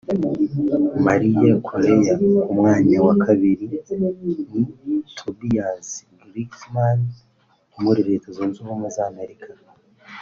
Maria Correa; ku mwanya wa kabiri ni Tobias Glucksman wo muri Leta Zunze Ubumwe za Amerika